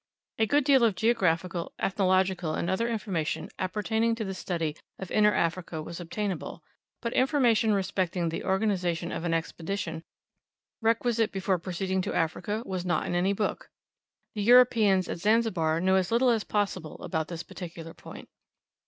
A good deal of geographical, ethnological, and other information appertaining to the study of Inner Africa was obtainable, but information respecting the organization of an expedition requisite before proceeding to Africa, was not in any book. The Europeans at Zanzibar knew as little as possible about this particular point.